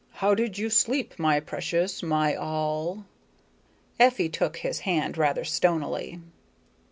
How did you sleep, my precious my all?" Effie took his hand rather stonily.